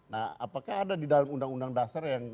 nah apakah ada di dalam undang undang dasar yang